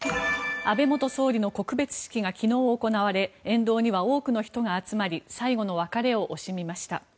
安倍元総理の告別式が昨日、行われ沿道には多くの人が集まり最後の別れを惜しみました。